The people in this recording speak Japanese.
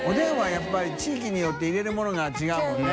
やっぱり地域によって入れる物が違うもんね。